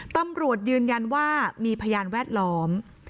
ตำรวจยืนยันว่ามีพยานแวดล้อม